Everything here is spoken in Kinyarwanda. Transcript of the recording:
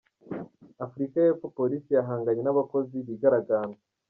Afurika y’Epfo Polisi yahanganye n’abakozi bigaragambya